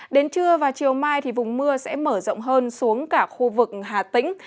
đến trưa và chiều mai thì vùng mưa sẽ mở rộng hơn xuống cả khu vực hà tĩnh